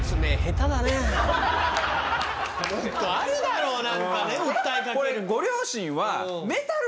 もっとあるだろう何か。